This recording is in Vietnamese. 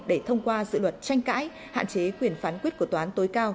để thông qua dự luật tranh cãi hạn chế quyền phán quyết của toán tối cao